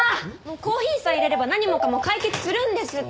コーヒーさえいれれば何もかも解決するんですって。